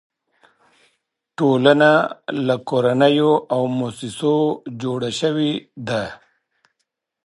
ټولنه له کورنیو او مؤسسو جوړه شوې ده.